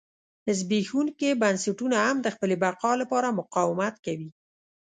زبېښونکي بنسټونه هم د خپلې بقا لپاره مقاومت کوي.